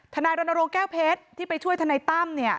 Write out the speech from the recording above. ทนายดรแก้วเพชรที่ไปช่วยทนัยตั้ม